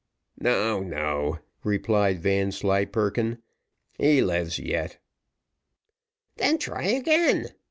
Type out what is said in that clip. "No, no," replied Vanslyperken, "he lives yet." "Then try again.